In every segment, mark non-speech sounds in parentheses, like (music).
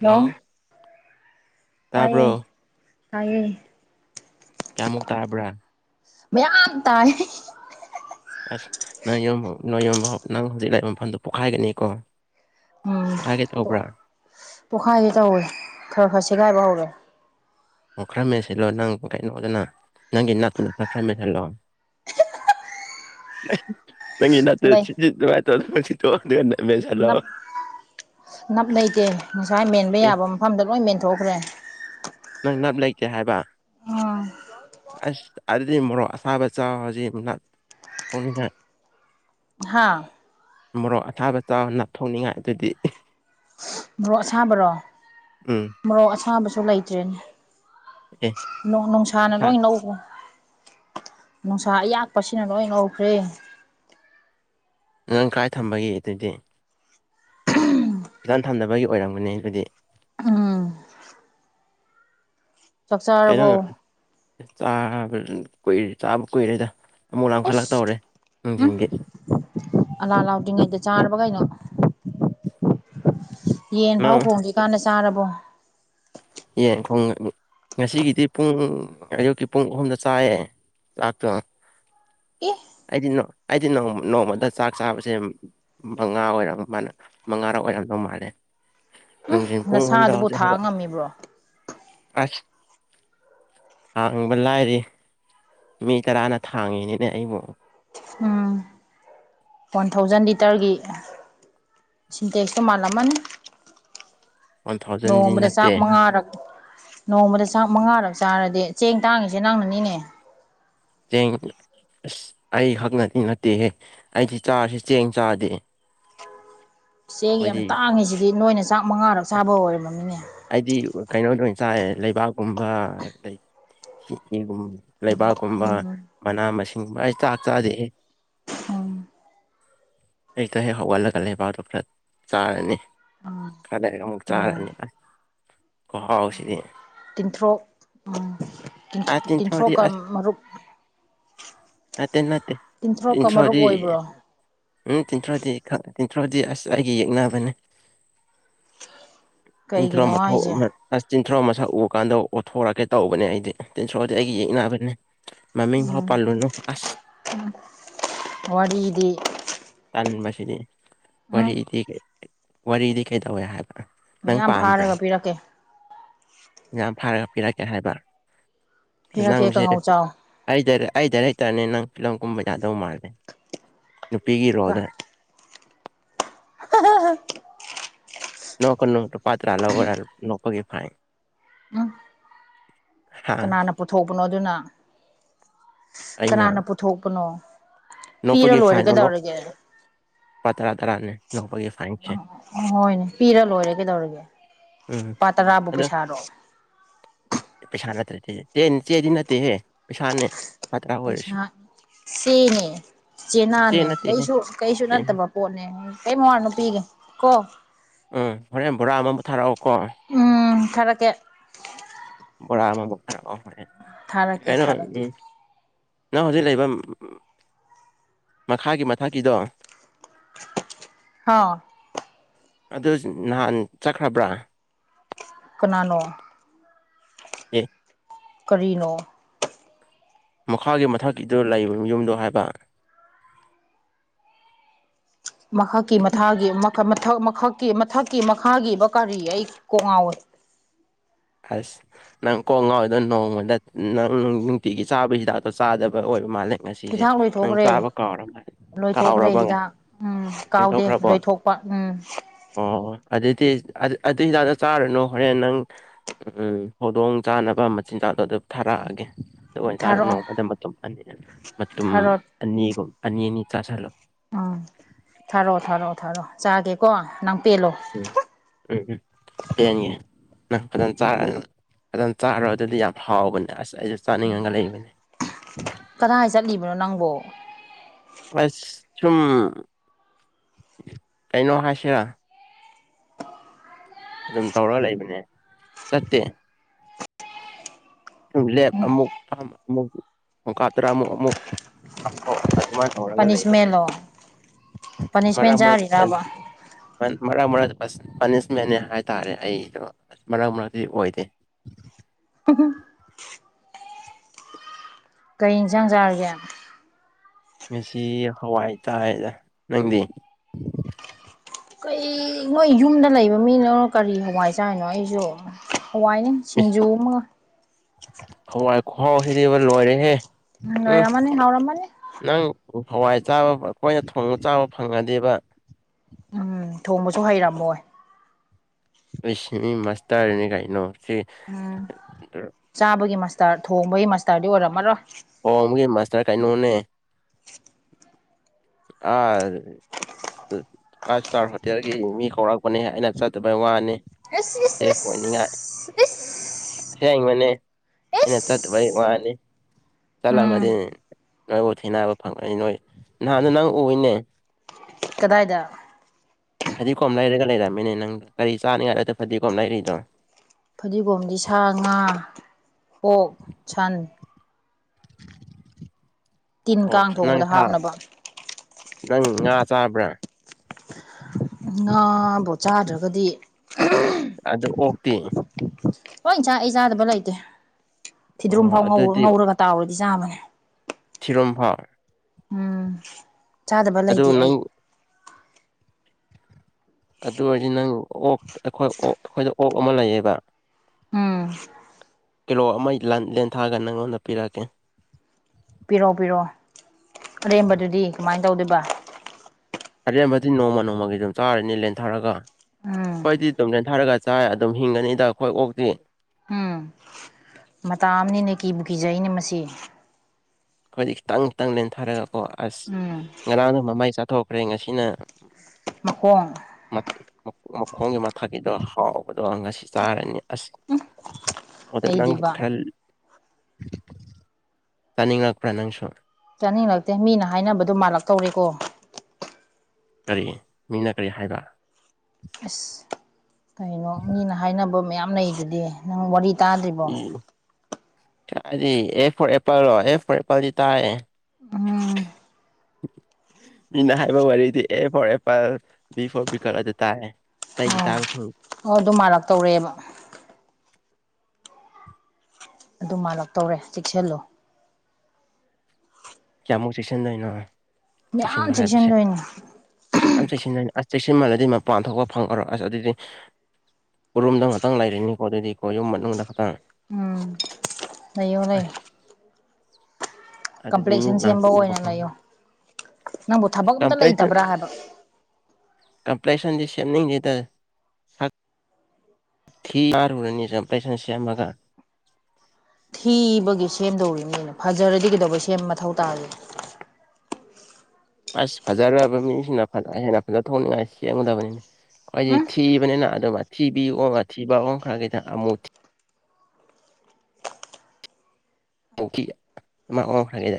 hello ꯇꯥꯢꯌꯦ ꯇꯥꯕ꯭ꯔꯣ ꯇꯥꯢꯌꯦ ꯀꯌꯥꯃꯨꯛ ꯇꯥꯕ꯭ꯔꯥ ꯃꯌꯥꯝ ꯇꯥꯢ ꯑꯁ ꯅꯪ ꯌꯣꯟ ꯅ ꯌꯣꯟꯕ ꯅꯪ ꯍꯧꯖꯤꯛ ꯂꯥꯏꯕ ꯃꯐꯝꯗꯣ ꯄꯣꯛꯈꯥꯏꯒꯅꯤ ꯀꯣ ꯎꯝ ꯄꯣꯛꯈꯥꯢꯒꯦ ꯇꯧꯕꯔꯥ ꯄꯣꯛꯈꯥꯏꯒꯦ ꯇꯧꯋꯦ ꯈꯔ ꯈꯔ ꯁꯦꯒꯥꯏꯕ ꯍꯧꯔꯦ ꯑꯣ ꯈꯔ ꯃꯦꯟꯁꯤꯠꯂꯣ ꯅꯪ ꯀꯩꯅꯣꯗꯨꯅ ꯅꯪꯒꯤ ꯅꯥꯛꯇꯨꯗ ꯈꯔ ꯈꯔ ꯃꯦꯟꯁꯤꯜꯂꯣ ꯂꯩ (inaudible) ꯅꯞ ꯅꯞ ꯂꯩꯇꯦ ꯉꯁꯥꯏ ꯃꯦꯟꯕ ꯑꯦ ꯌꯥꯕ ꯃꯐꯝꯗ ꯂꯣꯏ ꯃꯦꯟꯊꯣꯛꯈ꯭ꯔꯦ ꯅꯪ ꯅꯞ ꯂꯩꯇꯦ ꯍꯥꯏꯕ ꯑꯁ ꯑꯗꯨꯗꯤ ꯃꯣꯔꯣꯛ ꯑꯁꯥꯕ ꯆꯥꯎ ꯍꯧꯖꯤꯛ ꯐꯅꯤ ꯍꯥꯏ (inaudible) ꯍꯥꯥ ꯃꯣꯔꯣꯛ ꯑꯁꯥꯕ ꯆꯥꯎ ꯅꯥꯞ ꯊꯣꯡꯅꯤꯡꯉꯥꯏ ꯑꯗꯨꯗꯤ ꯃꯣꯔꯣꯛ ꯑꯁꯥꯕꯔꯣ ꯎꯝ ꯃꯣꯔꯣꯛ ꯑꯁꯥꯕꯁꯨ ꯂꯩꯇ꯭ꯔꯦꯅꯦ ꯑꯦ ꯅꯨꯡꯁꯥꯅ ꯑꯁꯥ ꯂꯣꯏ ꯂꯧꯒꯔꯦ ꯅꯨꯡꯁꯥ ꯑꯌꯥꯛꯄꯁꯤꯅ ꯂꯣꯏ ꯉꯧꯈ꯭ꯔꯦ ꯅꯪ ꯀꯥꯏ ꯊꯝꯕꯒꯤ ꯑꯗꯨꯗꯤ ꯐꯖꯅ ꯊꯝꯅꯕꯒꯤ ꯑꯣꯏꯔꯝꯒꯅꯤ ꯑꯗꯨꯗꯤ ꯎꯝ ꯆꯥꯛ ꯆꯥꯔꯕꯣ ꯀꯥꯏꯥ ꯆꯥꯕ ꯀꯨꯏꯔꯦꯗ (inaudible) ꯑꯦꯁ ꯇꯧꯔꯦ ꯎ ꯅꯨꯡꯊꯤꯟꯒꯤ ꯑꯂꯥ ꯂꯥꯎꯗꯔꯥꯉꯩꯗ ꯆꯔꯕꯣ ꯀꯩꯅꯣ ꯌꯦꯟ ꯐꯥꯎ ꯅꯪ ꯈꯣꯡꯗꯔꯤ ꯀꯥꯟꯗ ꯆꯥꯔꯕꯣ ꯌꯦꯡ ꯉꯁꯤꯒꯤꯗꯤ ꯄꯨꯡ ꯑꯌꯨꯛꯀꯤ ꯄꯨꯡ ꯑꯍꯨꯝꯗ ꯆꯥꯏꯌꯦ ꯆꯥꯛꯇꯣ ꯑꯦ ꯑꯩꯗꯤ ꯑꯩꯗꯤ ꯅꯣꯡꯃꯗ ꯆꯥꯛ ꯆꯥꯕꯁꯦ ꯃꯉꯥ ꯑꯣꯏꯔꯝ ꯃꯥ ꯃꯉꯥꯔꯛ ꯑꯣꯏꯔꯝꯗꯧ ꯃꯥꯜꯂꯦ ꯅꯨꯡꯊ ꯄꯨꯡ ꯑꯣꯨꯝꯗ ꯅꯁꯥꯗꯨꯕꯨ ꯍꯧꯖꯤꯛ ꯊꯥ ꯍꯧꯒꯠꯂ (inaudible) ꯉꯝꯃꯤꯕ꯭ꯔꯣ ꯑꯁ ꯍꯥꯡꯕ ꯂꯥꯏꯔꯤ (inaudible) ꯃꯤ ꯇꯔꯥꯅ ꯊꯥꯡꯉꯤꯅꯤꯅꯦ ꯑꯩꯕꯨ ꯎꯝ ꯋꯥꯟ ꯊꯥꯎꯖꯟ ꯂꯤꯇꯔꯒꯤ ꯁꯤꯟꯇꯦꯛꯁꯇꯣ ꯃꯥꯜꯂꯝꯃꯅꯤ ꯋꯥꯟ ꯊꯥꯎꯖꯟꯗꯤ ꯅꯣꯡꯃꯗ ꯆꯥꯛ ꯅꯠꯇꯦ ꯃꯉꯥꯔꯛ ꯅꯣꯡꯃꯗ ꯆꯥꯛ ꯃꯉꯥꯔꯛ ꯆꯥꯔꯗꯤ ꯆꯦꯡ ꯇꯥꯡꯉꯤꯁꯦ ꯅꯪꯅꯅꯤꯅꯦ ꯆꯦꯡ ꯑꯁ ꯑꯩ ꯈꯥꯛꯅꯗꯤ ꯅꯠꯇꯦꯍꯦ ꯑꯩꯗꯤ ꯆꯥꯔꯁꯨꯨ ꯆꯦꯡ ꯆꯥꯗꯦ ꯆꯦꯡ ꯌꯥꯝ ꯑꯩꯗꯤ ꯇꯥꯡꯉꯤꯁꯤꯗꯤ ꯅꯣꯏꯅ ꯆꯥꯛ ꯃꯉꯥꯔꯛ ꯆꯥꯕꯒꯤ ꯑꯣꯏꯔꯝꯃꯤꯅꯦ ꯑꯩꯗꯤ ꯀꯩꯅꯣꯗ ꯑꯣꯏꯅ ꯆꯥꯏ ꯂꯩꯕꯥꯛꯀꯨꯝꯕ ꯂꯩꯀꯤꯒꯨꯝꯕ ꯂꯩꯕꯥꯛꯀꯨꯝꯕ ꯎꯝ ꯃꯅꯥ ꯃꯁꯤꯡꯒꯨꯝꯕ ꯑꯩ ꯆꯥꯛ ꯆꯥꯗꯦ ꯎꯝ ꯑꯌꯨꯛꯇ ꯍꯦꯛ ꯍꯧꯒꯠꯂꯒ ꯂꯩꯕꯥꯛꯗꯨ ꯈꯔ ꯆꯥꯔꯅꯤ ꯈꯔ ꯂꯩꯔꯒ ꯑꯃꯨꯛ ꯎꯝ ꯆꯥꯔꯅꯤ ꯈꯨꯍꯥꯎꯁꯤꯗꯤ ꯇꯤꯟꯊ꯭ꯔꯣꯛ ꯎꯝ ꯑꯥ ꯇꯤꯟꯊ꯭ꯔꯣꯗꯤ ꯇꯤꯟꯊ꯭ꯔꯨꯀ ꯑꯁ ꯃꯔꯨꯨꯞ ꯅꯠꯇꯦ ꯅꯠꯇꯦ ꯇꯤꯟꯊ꯭ꯔꯨꯛꯀ ꯃꯔꯨꯞ ꯇꯤꯟꯊ꯭ꯔꯣꯗꯤ ꯑꯣꯏꯕ꯭ꯔꯣ ꯎꯝ ꯇꯤꯟꯊ꯭ꯔꯗꯤ ꯇꯤꯟꯊ꯭ꯔꯥꯗꯤ ꯑꯁ ꯑꯩꯒꯤ ꯌꯦꯛꯅꯕꯅꯦ ꯀꯩꯒꯤꯅꯣ ꯍꯥꯏꯁꯦ ꯊ (inaudible) ꯆꯤꯟꯊ꯭ꯔꯣ ꯃꯁꯛ ꯎ ꯀꯥꯟꯗ ꯑꯣꯠꯊꯣꯔꯛꯀꯦ ꯇꯧꯕꯅꯦ ꯑꯩꯗꯤ ꯆꯤꯟꯊ꯭ꯔꯣꯗꯤ ꯑꯩꯒꯤ ꯌꯦꯛꯅꯕꯅꯦ ꯃꯃꯤꯡ ꯐꯥꯎ ꯎꯝ ꯄꯥꯜꯂꯨꯅꯨ ꯑꯁ ꯋꯥꯔꯤꯗꯤ ꯇꯟꯕꯁꯤꯗꯤ ꯎꯝ ꯋꯥꯔꯤꯗꯤ ꯋꯥꯔꯤꯗꯤ ꯀꯩꯗꯧꯋꯦ ꯍꯥꯏꯕ ꯃꯌꯥꯝ ꯐꯥꯔꯒ ꯄꯤꯔꯛꯀꯦ ꯃꯌꯥꯝ ꯐꯥꯔꯒ ꯄꯤꯔꯛꯀꯦ ꯍꯥꯏꯕ ꯄꯤꯔꯛꯀꯦ ꯅꯪꯁꯦ ꯀꯥꯡꯉꯧ ꯆꯥꯎ ꯑꯩꯗ ꯑꯩꯗ ꯂꯩꯇꯥꯔꯅꯤ ꯅꯪ ꯐꯤꯂꯝ ꯀꯨꯝꯕ ꯌꯥꯗꯧ ꯃꯥꯜꯂꯦ ꯅꯨꯄꯤꯒꯤ ꯔꯣꯜꯗ (inaudible) ꯅꯣꯛꯀꯅꯣ ꯄꯥ꯭ꯔꯂ ꯑꯣ ꯅꯣꯛꯀꯒꯤ ꯐꯥꯏ ꯎꯝ ꯍꯥ ꯀꯅꯥꯅ ꯄꯨꯊꯣꯛꯄꯅꯣ ꯑꯗꯨꯅ ꯑꯩꯅ ꯀꯅꯥꯅ ꯄꯨꯊꯣꯛꯄꯅꯣ ꯄꯤꯔꯣ ꯂꯣꯏꯔꯒꯗꯧꯔꯒꯦꯗꯣ ꯂꯄꯥ ꯇꯔꯥ ꯇꯔꯥꯅꯦ ꯉꯒꯤ ꯑꯝ ꯍꯣꯏꯅꯦ ꯄꯤꯔ ꯂꯣꯏꯔꯦ ꯀꯩꯗꯧꯔꯒꯦ ꯎꯝ ꯂꯨꯄꯥ ꯇꯔꯥꯕꯨ ꯑꯗꯣ ꯄꯩꯁꯥꯔꯣ ꯄꯩꯁꯥ ꯅꯠꯇ꯭ꯔꯦ ꯆꯦ ꯆꯦꯗꯤ ꯅꯠꯇꯦꯍꯦ ꯄꯩꯁꯥꯅꯦ ꯂꯨꯄꯥ ꯇꯔꯥ ꯑꯣꯏꯔꯁꯨ ꯄꯩꯁꯥ ꯆꯦꯅꯦ ꯆꯦ ꯆꯦꯅꯥꯅꯦ ꯅꯠꯇꯦꯍꯦ ꯀꯩꯁꯨ ꯀꯩꯁꯨ ꯆꯦꯅ ꯅꯠꯇꯕ ꯄꯣꯠꯅꯦ ꯑꯩ ꯃꯉꯔ ꯅꯨ ꯄꯤꯒꯦ ꯀꯣ ꯎꯝ ꯍꯣꯔꯦꯟ ꯕꯣꯔꯥ ꯑꯃꯕꯨ ꯊꯥꯔꯛꯑꯣꯀꯣ ꯎꯝ ꯊꯔꯛꯀꯦ ꯕꯣꯔꯥ ꯑꯃ ꯕꯣꯔꯥ ꯍꯣꯏ ꯊꯥꯔꯛꯀꯦ ꯀꯩꯅꯣ ꯊꯥꯔꯛꯀꯦ ꯎꯝ ꯅꯪ ꯍꯧꯖꯤꯛ ꯂꯩꯕ ꯃꯈꯥꯒꯤ ꯃꯊꯛꯀꯤꯗꯣ ꯍꯥꯎ ꯑꯗꯨꯗ ꯅꯍꯥꯟ ꯆꯠꯈ꯭ꯔꯕ꯭ꯔꯥ ꯀꯅꯥꯅꯣ ꯎ (inaudible) ꯀꯔꯤꯅꯣ ꯃꯈꯥꯒꯤ ꯃꯊꯛꯀꯤꯗꯨ ꯂꯩꯕ ꯌꯨꯝꯗꯣ ꯍꯥꯏꯕ ꯃꯈꯛꯀꯤ ꯃꯊꯥꯒꯤ ꯃꯊꯛ ꯃꯈꯛꯀꯤ ꯃꯊꯛꯀꯤ ꯃꯈꯥꯒꯤꯕ ꯀꯔꯤ ꯑꯩ ꯀꯣꯡꯉꯥꯎꯋꯦ ꯑꯁ ꯅꯪ ꯀꯣꯡ ꯉꯥꯎꯔꯤꯗ ꯅꯣꯡꯃꯗ ꯅꯪ ꯅꯨꯡꯇꯤꯒꯤ ꯆꯥꯕꯒꯤ ꯍꯤꯗꯥꯛꯇꯣ ꯆꯥꯗꯕ ꯑꯣꯏꯔ ꯃꯥꯜꯂꯦ ꯉꯁꯤꯁꯦ ꯍꯤꯗꯥꯛ ꯅꯪ ꯂꯣꯏꯊꯣꯛꯈ꯭ꯔꯦ ꯆꯥꯕ ꯀꯥꯎꯔ ꯃꯥꯜꯂꯦ ꯂꯣꯏꯊꯣꯛꯈ꯭ꯔꯦ ꯀꯥꯎꯔꯕ ꯍꯤꯗꯥꯛ ꯎꯝ ꯀꯥꯎꯗꯦ ꯂꯣꯏꯊꯣꯛꯈ꯭ꯔꯕꯣ ꯂꯣꯏꯊꯣꯛ ꯎꯝ ꯑꯣ ꯑꯗꯨꯗꯤ ꯑꯗꯨ ꯍꯤꯗꯥꯛꯇ ꯆꯥꯔꯨꯅꯨ ꯍꯣꯔꯦꯟ ꯅꯪ ꯎꯝ ꯍꯧꯗꯣꯡ ꯆꯥꯅꯕ ꯃꯆꯤꯟꯖꯥꯛꯗꯣ ꯑꯗꯨꯝ ꯊꯥꯔꯛꯑꯒꯦ ꯇ ꯑꯣꯏꯅ ꯆꯥꯔ ꯊꯥꯔꯛꯑꯣ ꯅꯣꯡꯃꯗ ꯃꯇꯨꯝ ꯑꯅꯤ ꯃꯇꯨꯝ ꯊꯥꯔꯣ ꯑꯅꯤꯒꯨꯝ ꯑꯅꯤ ꯑꯅꯤ ꯆꯥꯥꯁꯜꯂꯣ ꯎꯝ ꯊꯥꯔꯛꯑꯣ ꯊꯥꯔꯛꯑꯣ ꯊꯥꯔꯛꯑꯣ ꯆꯥꯒꯦꯀꯣ ꯅꯪ ꯄꯦꯜꯂꯣ ꯎꯝ ꯎꯝ ꯎꯝ ꯄꯦꯟꯉꯦ ꯅꯪ ꯐꯖꯅ ꯆꯥꯔ ꯐꯖꯅ ꯆꯥꯔꯨꯔ ꯑꯗꯨꯗꯤ ꯌꯥꯝ ꯍꯥꯎꯕꯅꯦ ꯑꯁ ꯑꯩꯁꯨ ꯆꯥꯅꯤꯡꯉꯒ ꯂꯩꯏꯕꯅꯦ ꯀꯗꯥꯏ ꯆꯠꯂꯤꯕꯅꯣ ꯅꯪꯕꯣ ꯑꯁ ꯁꯨꯝ ꯀꯩꯅꯣ ꯍꯥꯏꯁꯤꯔꯥ ꯑꯗꯨꯝ ꯇꯧꯔꯒ ꯂꯩꯕꯅꯦ ꯆꯠꯇꯦ ꯂꯦꯞ ꯑꯃꯨꯛ ꯐꯝ ꯑꯃꯨꯛ ꯑꯣꯀ ꯇꯔꯥ ꯑꯃꯨꯛ ꯑꯃꯨꯛꯊ ꯑꯗꯨꯃꯥꯏꯅ ꯇꯧꯔꯒ ꯂꯩꯕꯅꯦ ꯄꯥꯅꯤꯁꯃꯦꯟꯂꯣ ꯄꯥꯅꯤꯁꯃꯦꯟ ꯃꯔꯛ ꯃꯔꯛꯇ ꯆꯥꯔꯤꯔꯕ ꯃꯔꯛ ꯃꯔꯛ ꯄꯥꯅꯤꯁꯃꯦꯟ ꯍꯥꯏꯇꯥꯔꯦ ꯑꯩꯗꯣ ꯑꯁ ꯃꯔꯛ ꯃꯔꯛꯇꯗꯤ ꯑꯣꯏꯗꯦ ꯑꯗ ꯀꯩ ꯌꯦꯟꯁꯥꯡ ꯆꯥꯔꯒꯦ ꯉꯁꯤ ꯍꯋꯥꯏ ꯇꯥꯏꯗ ꯅꯪꯗꯤ ꯀꯩ ꯅꯣꯏ ꯌꯨꯝꯗ ꯂꯩꯕ ꯃꯤꯅ ꯀꯔꯤ ꯍꯋꯥꯏ ꯆꯥꯏꯔꯤꯅꯣ ꯑꯩꯁꯨ ꯍꯋꯥꯏꯅꯤꯡ ꯁꯤꯡꯖꯨ ꯑꯃꯒ ꯍꯥꯏ ꯈꯍꯥꯎ ꯁꯤꯗꯤꯕ ꯂꯣꯏꯔꯦꯍꯦ ꯎꯝ ꯅꯣꯏꯔꯃꯅꯤꯅꯦ ꯍꯥꯎꯔꯃꯅꯤ ꯅꯪ ꯍꯋꯥꯏ ꯆꯥꯕ ꯑꯩꯈꯣꯏꯅ ꯊꯣꯡꯕ ꯆꯥꯕ ꯐꯪꯉꯗꯤꯕ ꯎꯝ ꯊꯣꯡꯕꯁꯨ ꯍꯩꯔꯝꯃꯣꯏ ꯑꯩꯁ ꯃꯤ ꯃꯁꯇꯔꯅꯤ ꯀꯩꯅꯣ ꯁꯤ ꯎꯝ ꯆꯥꯕꯒꯤ ꯃꯁꯇꯥꯔ ꯊꯣꯡꯕꯒꯤ ꯃꯁꯇꯥꯔꯗꯤ ꯑꯣꯏꯔꯝꯃꯔꯣꯏ ꯑꯣ ꯃꯒꯤ ꯃꯥꯁꯇꯔ ꯀꯥꯏꯩꯅꯣꯅꯦ ꯑ ꯐꯥꯏꯚ ꯏꯁꯇꯥꯔ ꯍꯣꯇꯦꯜꯒꯤ ꯃꯤ ꯀꯧꯔꯛꯄꯅꯦ ꯑꯩꯅ ꯆꯠꯇꯕꯩ ꯋꯥꯅꯤ ꯏꯁ ꯏꯁ ꯁꯦꯐ ꯑꯣꯏꯅꯤꯡꯉꯥꯏ ꯏꯁ ꯏꯁ ꯊꯦꯡꯕꯅꯦ ꯑꯩꯅ ꯏꯁ ꯆꯠꯇꯕ ꯍꯩ ꯋꯥꯅꯤ ꯎꯝ ꯆꯠꯂꯝꯃꯗꯤꯅꯤ ꯅꯣꯏꯕꯨ ꯊꯦꯡꯅꯕ ꯐꯪꯒꯅꯤ ꯅꯣꯏ ꯅꯍꯥꯟ ꯅꯍꯪ ꯑꯣꯏꯅꯦ ꯀꯗꯥꯏꯗ ꯐꯗꯤꯒꯣꯝ ꯂꯩꯔꯒ ꯂꯩꯔꯝꯃꯤꯅꯦ ꯅꯪ ꯀꯔꯤ ꯆꯥꯅꯤꯡꯉꯥꯏꯗꯗ ꯐꯗꯤꯒꯣꯝ ꯂꯩꯔꯤꯗꯣ ꯐꯗꯤꯒꯣꯝꯗꯤ ꯁꯥ ꯉꯥ ꯀꯣꯛ ꯁꯟ ꯇꯤꯟ ꯑꯣ ꯀꯥꯡ ꯅꯪ ꯊꯣꯡꯕꯗ ꯁꯥ ꯍꯥꯞꯅꯕ ꯅꯪ ꯉꯥ ꯆꯥꯕ꯭ꯔꯥ ꯉꯥ ꯕꯣꯠ ꯆꯥꯗ꯭ꯔꯒꯗꯤ ꯑꯗꯨ ꯑꯣꯛꯇꯦ ꯍꯣꯏ ꯏꯟꯆꯥꯥꯛ ꯑꯩ ꯆꯥꯗꯕ ꯂꯩꯇꯦ ꯐꯤꯗ꯭ꯔꯨꯝ ꯑꯣ ꯐꯥꯎ ꯑꯗꯨꯗꯤ ꯉꯧꯔꯒ ꯇꯥꯎꯔꯗꯤ ꯆꯥꯕꯅꯦ ꯊꯤꯔꯣꯝꯐꯥ ꯎꯝ ꯆꯥꯗꯕ ꯂꯩꯇꯦ ꯑꯗꯨ ꯑꯩ ꯅꯪ ꯑꯗꯨ ꯑꯣꯏꯔꯗꯤ ꯅꯪ ꯑꯣꯛ ꯑꯩꯈꯣꯏ ꯑꯣ ꯑꯩꯈꯣꯏꯗ ꯑꯣꯛ ꯑꯃ ꯂꯩꯌꯦꯕ ꯎꯝ ꯀꯤꯂꯣ ꯑꯃ ꯂꯦꯟꯊꯥꯑꯒ ꯅꯪꯉꯣꯟꯗ ꯄꯤꯔꯛꯑꯀꯦ ꯄꯤꯔꯣꯑꯣ ꯄꯤꯔꯛꯑꯣ ꯑꯔꯦꯝꯕꯗꯨꯗꯤ ꯀꯃꯥꯏꯅ ꯇꯧꯗꯕ ꯑꯔꯦꯝꯕꯗꯤ ꯅꯣꯡꯃ ꯅꯣꯡꯃꯒꯤ ꯑꯗꯨꯝ ꯆꯥꯔꯅꯤ ꯂꯦꯟꯊꯔꯒ ꯎꯝ ꯈꯣꯏꯗꯤ ꯑꯗꯨꯝ ꯊꯔꯒ ꯆꯥꯏ ꯑꯗꯨꯝ ꯍꯤꯡꯒꯅꯤꯗ ꯑꯩꯈꯣꯏ ꯑꯣꯛꯇꯤ ꯎꯝ ꯃꯇꯥ ꯑꯃꯅꯤꯅꯦ ꯀꯤꯕꯨ ꯀꯖ ꯑꯩꯅ ꯃꯁꯤ ꯑꯩꯈꯣꯏꯗꯤ ꯈꯤꯇꯪ ꯈꯤꯇꯪ ꯂꯦꯟꯊꯥꯔꯒꯀꯣ ꯑꯁ ꯎꯝ ꯉꯔꯥꯡꯗ ꯃꯃꯥꯏ ꯆꯥꯊꯣꯛꯈ꯭ꯔꯦ ꯉꯁꯤꯅ ꯃꯀꯣꯡ ꯃꯈꯣꯡꯒꯤ ꯃꯊꯛꯀꯤꯗꯣ ꯍꯥꯎꯕꯗꯣ ꯉꯁꯤ ꯆꯥꯔꯅꯤ ꯑꯁ ꯑꯗ ꯅꯪ ꯂꯩꯗꯤꯕ ꯈꯔ ꯇꯥꯅꯤꯡꯉꯛꯄ꯭ꯔꯥ ꯅꯪꯁꯨ ꯆꯥꯅꯤꯡꯂꯛꯇꯦ ꯃꯤꯅ ꯍꯥꯏꯅꯕꯗꯣ ꯃꯥꯜꯂꯛꯇꯧꯔꯦꯀꯣ ꯀꯔꯤ ꯃꯤꯅ ꯀꯔꯤ ꯍꯥꯏꯕ ꯑꯁ ꯀꯩꯅꯣ ꯃꯤꯅ ꯍꯥꯏꯅꯕ ꯃꯌꯥꯝ ꯂꯩꯗꯨꯗꯤ ꯅꯪ ꯋꯥꯔꯤ ꯇꯥꯗ꯭ꯔꯤꯕꯣ ꯎꯝ ꯀꯔꯤ ꯑꯦ ꯐꯣꯔ ꯑꯦꯄꯜꯂꯣ ꯑꯦ ꯐꯣꯔ ꯑꯦꯄꯜꯗꯤ ꯇꯥꯏꯌꯦ ꯎꯝ ꯃꯤꯅ ꯍꯥꯏꯕ ꯋꯥꯔꯤꯗꯤ A for apple B for ꯕꯤꯄꯜ ꯑꯗꯨ ꯇꯥꯏꯌꯦ ꯇꯩꯏ ꯑꯣ ꯇꯥꯡ ꯐꯨꯔꯨ ꯑꯣ ꯑꯗꯨ ꯃꯥꯜꯂꯛꯇꯧꯔꯦꯕ ꯑꯗꯨ ꯃꯥꯂꯛꯇꯧꯔꯦ ꯆꯦꯛꯁꯤꯜꯂꯣ ꯀꯌꯥꯃꯨꯛ ꯆꯦꯛꯁꯤꯟꯗꯣꯏꯅꯣ ꯃꯌꯥꯝ ꯆꯦꯛꯁꯤꯟꯕ ꯍꯥꯏꯕꯁꯦ ꯆꯦꯛꯁꯤꯟꯗꯣꯏꯅꯦ ꯌꯥꯝ ꯆꯦꯛꯁꯤꯟꯅꯅꯤ ꯑꯁ ꯆꯦꯛꯁꯤꯟꯃꯜꯂꯗꯤ ꯃꯄꯥꯟ ꯊꯣꯛꯄ ꯐꯪꯉꯔꯣ ꯑꯁ ꯑꯗꯨꯗꯤ ꯎꯔꯨꯝꯗꯪ ꯈꯛꯇꯪ ꯂꯩꯔꯤꯅꯤꯀꯣ ꯑꯗꯨꯗꯤꯀꯣ ꯌꯨꯝ ꯃꯅꯨꯡꯗ ꯈꯛꯇꯪ ꯎꯝ ꯂꯩꯌꯣ ꯂꯩꯌꯣ ꯑꯁ ꯑꯗꯨꯗꯤ ꯀꯝꯄ꯭ꯂꯦꯛꯁꯟ ꯂꯁꯨ ꯁꯦꯝꯕ ꯎꯕ ꯑꯣꯏꯅ ꯂꯩꯌꯣ ꯅꯪꯕꯨ ꯊꯕꯛ ꯐꯪ꯭ꯔꯦꯄꯟ ꯑꯝꯇ ꯂꯩꯇꯕ꯭ꯔꯥ ꯍꯥꯏꯕ ꯀꯝꯄꯦꯁꯟꯁꯤ ꯁꯦꯅꯤꯡꯗꯦꯗ ꯊꯤ ꯍꯥꯏꯔꯨꯔꯅꯤ ꯀꯝꯄꯦꯁꯟ ꯁꯦꯝꯃꯒ ꯊꯤꯕꯒꯤ ꯁꯦꯝꯗꯧꯔꯤꯅꯤ ꯀꯩꯅꯣ ꯐꯖꯔꯗꯤ ꯀꯩꯗꯧꯕꯩ ꯁꯦꯝꯕ ꯃꯊꯧ ꯇꯥꯔꯤꯅꯦ ꯑꯁ ꯐꯖꯒꯔꯕ ꯃꯤꯁꯤꯅ ꯍꯦꯟꯅ ꯐꯖꯅꯤꯡꯉꯥꯏ ꯁꯦꯝꯒꯗꯕꯅꯤꯅꯦ ꯎꯝ ꯑꯩꯈꯣꯏꯗꯤ ꯊꯤꯕꯅꯤꯅ ꯑꯗꯨꯃ ꯊꯤꯕꯤ ꯑꯣꯡꯕ ꯊꯤꯕ ꯑꯣꯡꯈ꯭ꯔꯥ ꯀꯗꯪ ꯑꯃꯨꯛ ꯊꯤ ꯄꯧꯈꯤ ꯑꯃ ꯑꯣꯡꯈꯔꯅꯤꯗ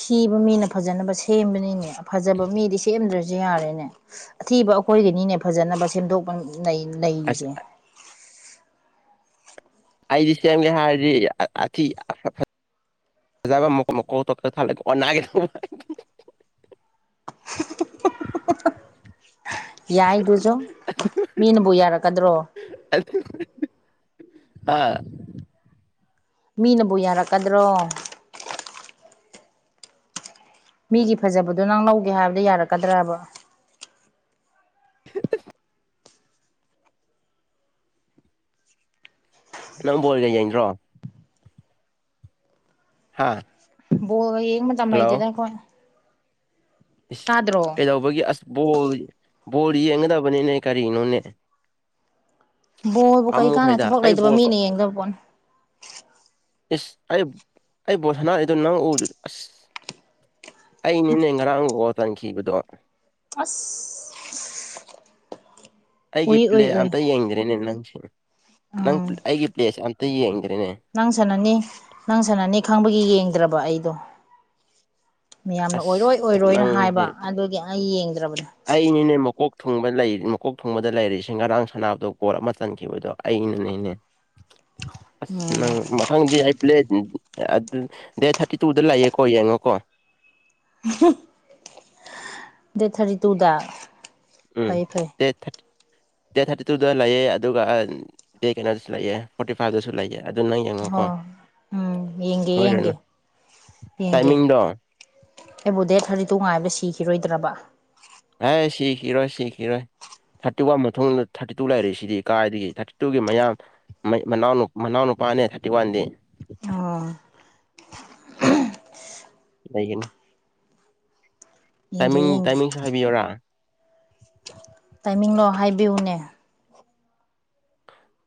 ꯊꯤꯕ ꯃꯤꯅ ꯐꯖꯅꯕ ꯁꯦꯝꯕꯅꯤꯅꯦ ꯐꯖꯕ ꯃꯤꯗꯤ ꯁꯦꯝꯗ꯭ꯔꯁꯨ ꯌꯥꯔꯦꯅꯦ ꯑꯊꯤꯕ ꯑꯩꯈꯣꯏꯒꯤꯅꯤꯅꯦ ꯐꯖꯅꯕ ꯁꯦꯝꯗꯣꯛꯄ ꯑꯁ ꯂꯩꯔꯤꯁꯦ ꯑꯩꯗꯤ ꯁꯦꯝꯒꯦ ꯍꯥꯏꯔꯗꯤ ꯑꯊꯤ ꯑ ꯐꯖꯕ ꯃꯣꯛ ꯃꯀꯣꯛ ꯇꯣꯛ ꯊꯂꯛꯒꯦ ꯑꯣ ꯅꯥꯒꯤ ꯌꯥꯏꯗꯨꯁꯨ ꯃꯤꯅꯕꯨ ꯌꯥꯔꯛꯀꯗ꯭ꯔꯣ ꯍꯥ ꯃꯤꯅꯕꯨ ꯌꯥꯔꯛꯀꯗ꯭ꯔꯣ ꯃꯤꯒꯤ ꯐꯖꯕꯗꯣ ꯅꯪ ꯂꯧꯒꯦ ꯍꯥꯏꯕꯗ ꯌꯥꯔꯛꯀꯗ꯭ꯔꯕ ꯎꯍꯨꯝ ꯎꯍꯨꯝ ꯅꯪ ꯕꯣꯜꯒ ꯌꯦꯡꯗ꯭ꯔꯣ ꯍꯥꯥ ꯕꯣꯜꯒ ꯌꯦꯡ ꯃꯇꯝ ꯅꯩꯇꯦꯗ ꯑꯩꯈꯣꯏ ꯏꯁ ꯇꯥꯗ꯭ꯔꯣ ꯀꯩꯗꯧꯕꯒꯤ ꯑꯁ ꯕꯣꯜ ꯕꯣꯜ ꯌꯦꯡꯒꯗꯕꯅꯤꯅꯦ ꯀꯔꯤꯅꯣꯅꯦ ꯕꯣꯕꯨ ꯀꯩ ꯀꯥꯟꯅ ꯄꯥꯝꯃꯨꯈ꯭ꯔꯦꯗ ꯊꯕꯛ ꯑꯩ ꯂꯩꯇꯕ ꯕꯣꯜ ꯀꯣ ꯃꯤꯅ ꯌꯦꯡꯗꯧꯕ ꯄꯣꯠꯅꯤ ꯏꯁꯁ ꯑꯩ ꯑꯩ ꯕꯣꯜ ꯁꯥꯟꯅꯔꯤꯗꯨ ꯅꯪ ꯎꯗꯔꯤ ꯑꯁ ꯑꯩꯅꯤ ꯅꯦ ꯉꯔꯥꯡ ꯒꯣꯜ ꯆꯟꯈꯤꯕꯗꯣ ꯑꯁ ꯑꯩꯒꯤ ꯎꯏ ꯄ꯭ꯂꯦ ꯎꯏ ꯎꯏ ꯑꯝꯇ ꯌꯦꯡꯗ꯭ꯔꯦꯅꯦ ꯅꯪꯁꯦ ꯅꯪ ꯎꯝ ꯑꯩꯒꯤ ꯄ꯭ꯂꯦꯁꯦ ꯑꯝꯇ ꯌꯦꯡꯗ꯭ꯔꯦꯅꯦ ꯅꯪ ꯁꯥꯟꯅꯅꯤ ꯅꯪ ꯁꯥꯟꯅꯅꯤ ꯈꯪꯕꯒꯤ ꯌꯦꯡꯗ꯭ꯔꯕ ꯑꯩꯗꯣ ꯃꯌꯥꯝꯅ ꯑꯁ ꯑꯣꯏꯔꯣꯏ ꯑꯣꯏꯔꯣꯏꯅ ꯍꯥꯏꯕ ꯑꯗꯨꯒꯤ ꯑꯩ ꯌꯦꯡꯗ꯭ꯔꯕꯅꯦ ꯑꯩ ꯅꯤꯅꯦ ꯃꯀꯣꯛ ꯊꯨꯡꯕ ꯂꯩ ꯃꯀꯣꯛ ꯊꯨꯡꯕꯗ ꯂꯩꯔꯤꯁꯤꯡ ꯉꯔꯥꯡ ꯁꯅꯥꯕꯗ ꯒꯣꯜ ꯑꯃ ꯆꯟꯈꯤꯕꯗꯣ ꯑꯩꯅꯅꯦꯅꯦ ꯑꯁ ꯎꯝ ꯅꯪ ꯃꯊꯪꯗꯤ ꯑꯩ ꯄ꯭ꯂꯦ ꯑꯗꯨ ꯗꯦꯠ ꯊꯥꯔꯇꯤ ꯇꯨꯗ ꯂꯩꯌꯦꯀꯣ ꯌꯦꯡꯉꯣꯀꯣ ꯎꯍꯨꯝ ꯗꯦꯠ ꯊꯥꯔꯇꯤ ꯇꯨꯗ ꯎꯝ ꯐꯩ ꯐꯩ ꯗꯦꯠ ꯊ꯭ꯔꯥ ꯗꯦꯠ ꯊꯥꯔꯇꯤ ꯇꯨꯗ ꯂꯩꯑꯦ ꯑꯗꯨꯒ ꯗꯦꯠ ꯀꯩꯅꯣꯗꯁꯨ ꯂꯩꯑꯦ ꯐꯣꯔꯇꯤ ꯐꯥꯏꯚꯇꯁꯨ ꯂꯩꯑꯦ ꯑꯣ ꯎꯝ ꯌꯦꯡꯒꯦ ꯌꯦꯡꯒꯦ ꯁꯣꯏꯔꯅꯨ ꯌꯦꯡꯒꯦ ꯇꯥꯏꯃꯤꯡꯗꯣ ꯑꯩꯕꯨ ꯗꯦꯠ ꯊ꯭ꯔꯥꯇꯤ ꯇꯨ ꯉꯥꯏꯕꯗ ꯁꯤꯈꯤꯔꯣꯏꯗ꯭ꯔꯕ ꯑꯦ ꯁꯤꯈꯤꯔꯣ ꯁꯤꯈꯤꯔꯣꯏ ꯊꯥꯔꯇꯤ ꯋꯥꯟ ꯃꯇꯨꯡꯗ ꯊꯥꯔꯇꯤ ꯇꯨ ꯂꯩꯔꯛꯏꯁꯤꯗꯤ ꯀꯥꯏꯗꯒꯤ ꯊꯥꯔꯇꯤ ꯇꯨꯒꯤ ꯃꯌꯥꯝ ꯃꯅꯥꯎ ꯃꯅꯥꯎ ꯅꯨꯄꯥꯅꯦ ꯊꯥꯔꯇꯤ ꯋꯥꯟꯗꯤ ꯑꯣ ꯂꯩꯒꯅꯤ ꯌꯦꯡꯒꯦ ꯇꯥꯏꯃꯤꯡ ꯌꯦꯡꯒꯦ ꯇꯥꯏꯃꯤꯡꯁꯨ ꯍꯥꯏꯕꯤꯌꯔꯥ ꯇꯥꯏꯃꯤꯡꯂꯣ ꯍꯥꯏꯕꯤꯌꯨꯅꯦ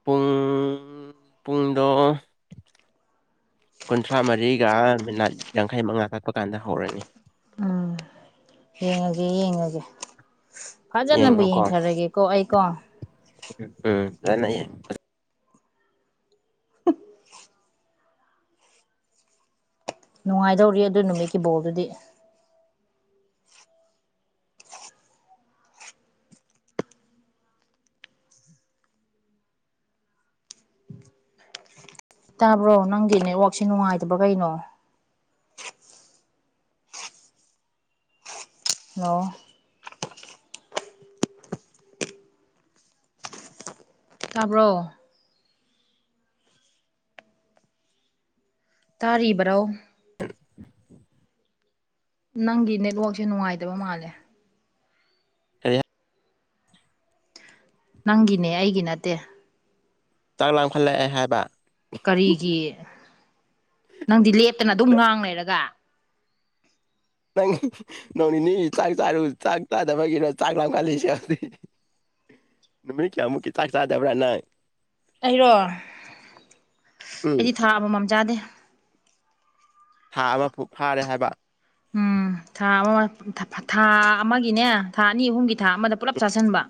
ꯄꯨꯡ ꯄꯨꯡꯗꯣ ꯀꯨꯟꯊ꯭ꯔꯥ ꯃꯔꯤꯒ ꯃꯤꯅꯠ ꯌꯥꯡꯈꯩ ꯃꯉꯥ ꯀꯠꯄ ꯀꯥꯟꯗ ꯍꯧꯔꯅꯤ ꯎꯝ ꯌꯦꯡꯉꯒꯦ ꯌꯦꯡꯉꯒꯦ ꯐꯖꯅꯕꯨ ꯌꯦꯡꯉꯣꯀꯣ ꯌꯦꯡꯊꯔꯒꯦꯀꯣ ꯑꯩꯀꯣ ꯎꯝ ꯀꯥꯏꯌꯦ ꯅꯨꯡꯉꯥꯏꯗꯧꯔꯤ ꯑꯗꯨ ꯅꯨꯃꯤꯠꯀꯤ ꯕꯣꯜꯗꯨꯗꯤ ꯇꯥꯕ꯭ꯔꯣ ꯅꯪꯒꯤ ꯅꯦꯠꯋꯥꯛꯁꯦ ꯅꯨꯡꯉꯥꯏꯗꯕ꯭ꯔꯥ ꯀꯩꯅꯣ ꯑꯣ ꯇꯥꯕ꯭ꯔꯣ ꯇꯥꯔꯤꯕ꯭ꯔꯣ ꯅꯪꯒꯤ ꯅꯦꯠꯋꯥꯛꯁꯦ ꯅꯨꯡꯉꯥꯏꯗꯕ ꯃꯥꯜꯂꯦ ꯀꯔꯤ ꯅꯪꯒꯤꯅꯦ ꯑꯩꯒꯤ ꯅꯠꯇꯦ ꯆꯥꯛ ꯂꯥꯡꯈꯠꯂꯛꯑꯦ ꯍꯥꯏꯕ ꯀꯔꯤꯒꯤ ꯅꯪꯗꯤ ꯂꯦꯞꯇꯅ ꯑꯗꯨꯝ ꯉꯥꯡ ꯂꯩꯔꯒ ꯅꯪ ꯅꯣꯡ ꯅꯤꯅꯤꯒꯤ ꯆꯥꯛ ꯆꯥꯔꯨ ꯆꯥꯛ ꯆꯥꯗꯕꯒꯤꯔꯣ ꯆꯥꯛ ꯂꯥꯝꯈꯠꯂꯤꯁꯦ ꯗꯤ ꯅꯨꯃꯤꯠ ꯀꯌꯥꯃꯨꯛꯀꯤ ꯆꯥꯛ ꯆꯥꯗꯕ꯭ꯔꯥ ꯅꯪ ꯑꯩꯔꯣ ꯎꯝ ꯑꯩꯗꯤ ꯊꯥ ꯑꯃꯝꯃꯝ ꯆꯥꯗꯦ ꯊꯥ ꯑꯃ ꯐꯨꯛ ꯐꯥꯔꯦ ꯍꯥꯏꯕ ꯎꯝ ꯊꯥ ꯑꯃ ꯊꯥ ꯑꯃꯒꯤꯅꯦ ꯊꯥ ꯑꯅꯤ ꯑꯍꯨꯝꯒꯤ ꯊꯥ ꯑꯃꯗ ꯄꯨꯂꯞ ꯆꯥꯁꯤꯟꯕ